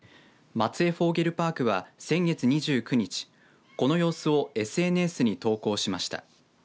松江フォーゲルパークは先月２９日この様子をＳＮＳに投稿しました。